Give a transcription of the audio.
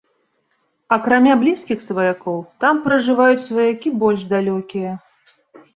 Акрамя блізкіх сваякоў, там пражываюць сваякі больш далёкія.